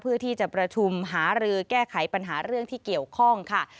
เพื่อที่จะประชุมหารือแก้ไขปัญหาเรื่องที่เกี่ยวข้องค่ะ